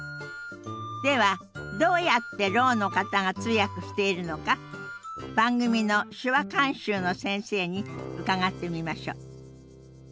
ではどうやってろうの方が通訳しているのか番組の手話監修の先生に伺ってみましょう。